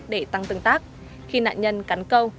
để tăng tương tác khi nạn nhân cắn câu